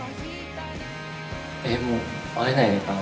えっもう会えないのかな。